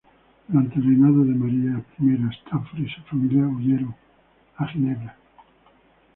Durante el reinado de María I, Stafford y su familia huyeron a Ginebra.